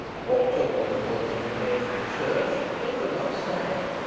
What took them towards the conventual church they could not say.